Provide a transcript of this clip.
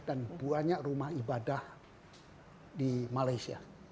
banyak rumah ibadah di malaysia